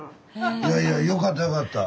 いやいやよかったよかった。